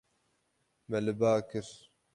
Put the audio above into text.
Me li ba kir.